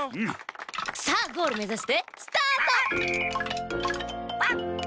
さあゴールめざしてスタート！